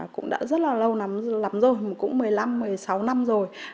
cũng đã rất là lâu lắm lắm rồi cũng một mươi năm một mươi sáu năm rồi